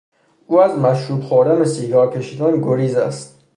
او از مشروب خوردن و سیگار کشیدن گریز است.